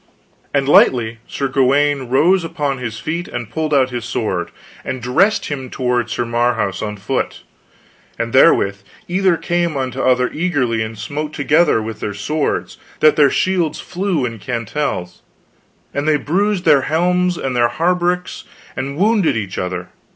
"and lightly Sir Gawaine rose upon his feet and pulled out his sword, and dressed him toward Sir Marhaus on foot, and therewith either came unto other eagerly, and smote together with their swords, that their shields flew in cantels, and they bruised their helms and their hauberks, and wounded either other.